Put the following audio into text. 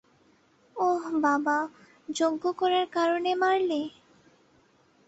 ওহ, বাবা, যজ্ঞ করার কারণে মারলি?